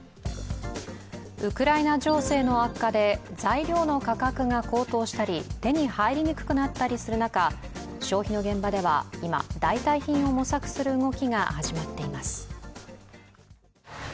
ウクライナ情勢の悪化で材料の価格が高騰したり、手に入りにくくなったりする中、消費の現場では今、代替品を模索する動きが始まっています。